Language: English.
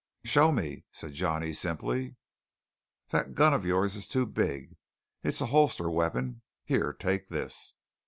"Show me," said Johnny simply. "That gun of yours is too big; it's a holster weapon. Here, take this."